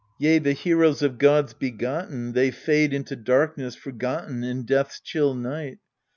Yea, the heroes of gods begotten, They fade into darkness, forgotten In death's chill night.